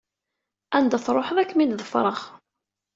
Anda truḥeḍ ad kem-id-ḍefreɣ.